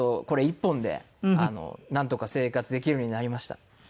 これ一本でなんとか生活できるようになりました。